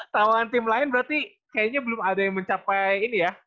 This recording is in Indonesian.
tahuan tim lain berarti kayaknya belum ada yang mencapai ini ya